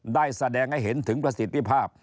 ได้แสดงให้เห็นถึงประสิทธิภาพ